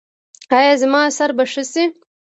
ایا زما سر به ښه شي؟